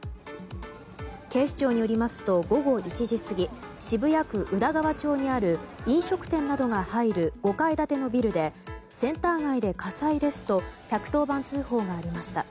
警視庁によりますと午後１時過ぎ渋谷区宇田川町にある飲食店などが入る５階建てのビルでセンター街で火災ですと１１０番通報がありました。